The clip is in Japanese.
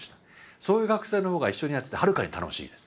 そういう学生の方が一緒にやっててはるかに楽しいです。